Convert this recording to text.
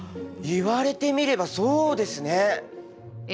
言われてみればそうですね！